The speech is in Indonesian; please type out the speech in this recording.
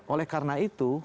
oleh karena itu